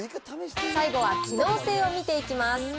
最後は機能性を見ていきます。